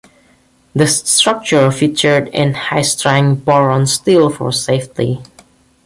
The structure featured high strength boron steel for safety.